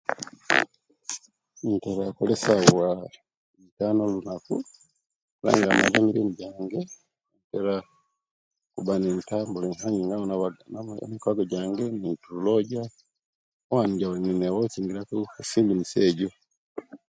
Intira okukola esawa itanu olunaku kubanga mba nemirimo jjange era ne kuba mikwaago jjange netulojja owandi netuwokyingiraku efilimuzi ejjo